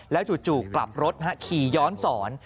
แล้วจู่กลับรถขี่ย้อนศร